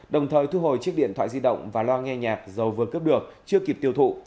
đồng thời thu hồi chiếc điện thoại di động và lo nghe nhạc dầu vừa cướp được chưa kịp tiêu thụ